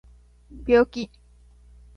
病気